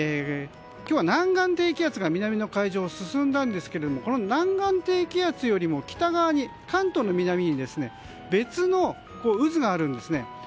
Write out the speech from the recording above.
今日は南岸低気圧が南の海上を進んだんですがこの南岸低気圧よりも北側に関東の南に別の渦があるんですね。